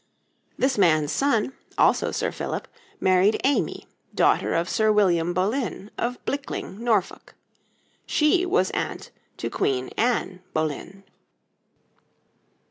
This man's son, also Sir Philip, married Amy, daughter of Sir William Boleyn, of Blickling, Norfolk. She was aunt to Queen Anne Boleyn.